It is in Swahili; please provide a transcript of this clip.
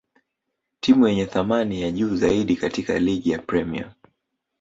timu yenye thamni ya juu zaidi katika ligi ya Premia